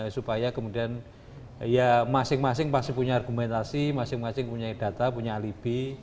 supaya kemudian ya masing masing pasti punya argumentasi masing masing punya data punya alibi